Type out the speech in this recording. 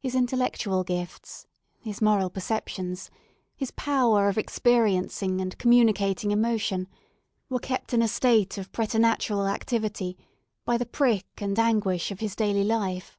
His intellectual gifts, his moral perceptions, his power of experiencing and communicating emotion, were kept in a state of preternatural activity by the prick and anguish of his daily life.